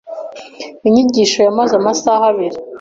Inyigisho yamaze amasaha abiri.